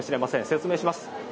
説明します。